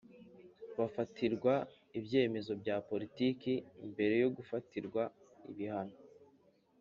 bafatirwa ibyemezo bya politiki mbere yo gufatirwa ibihano